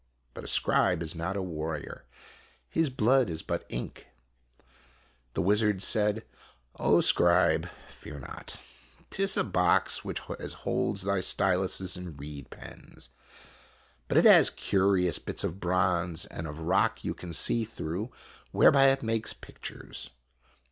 But a scribe is not a war rior. His blood is but ink. The wizard said :" O Scribe, fear not. 'T is a box such as holds thy styluses and reed pens. But it has curious bits of bronze and of rock you can see through, whereby it makes pictures.